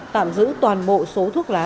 tạm giữ toàn bộ số thuốc lá